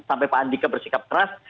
sampai pak andika bersikap keras